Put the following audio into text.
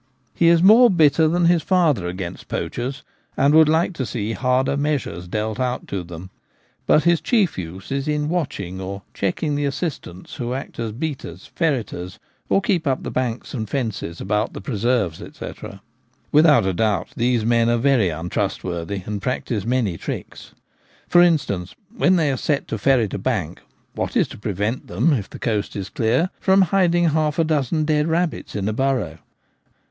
He is more bitter than his father against poachers, and would like to see harder measures dealt out to them ; but his chief use is in watching or checking the assistants, who act as beaters, ferreters, or keep up the banks and fences about the preserves, &c. Without a doubt these men are very untrustworthy, and practise many tricks. For instance, when they are set to ferret a bank, what is to prevent them, if the coast is clear, from hiding half a dozen dead rabbits in a burrow